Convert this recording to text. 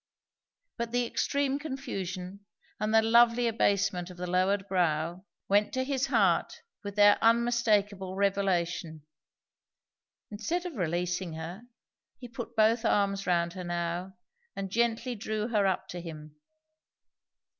But the extreme confusion, and the lovely abasement of the lowered brow, went to his heart with their unmistakeable revelation. Instead of releasing her, he put both arms round her now and gently drew her up to him.